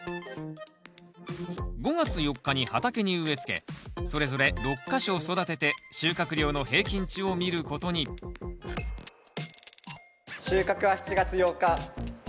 ５月４日に畑に植えつけそれぞれ６か所育てて収穫量の平均値を見ることに収穫は７月８日。